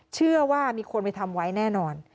เชื่อว่ามีคนไปทำไว้แน่นอน